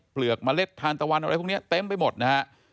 เปลือกเมล็ดทานตะวันอะไรพวกนี้เต็มไปหมดนะฮะ